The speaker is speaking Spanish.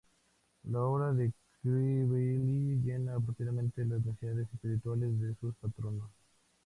La obra de Crivelli llena apropiadamente las necesidades espirituales de sus patronos.